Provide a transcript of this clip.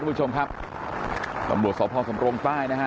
ผู้ชมครับตำรวจสพสำรงใต้นะฮะ